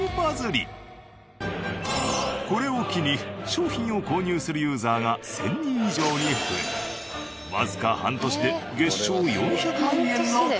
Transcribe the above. これを機に商品を購入するユーザーが１０００人以上に増えわずか半年で月商４００万円の会社に。